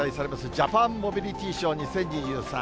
ジャパンモビリティショー２０２３。